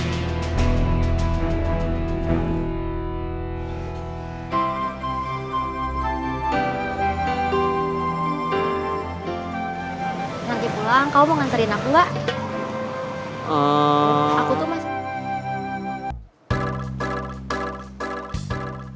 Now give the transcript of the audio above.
nanti pulang kamu mau nganterin aku gak